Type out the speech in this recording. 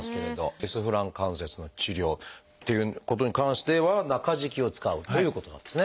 リスフラン関節の治療っていうことに関しては中敷きを使うということなんですね。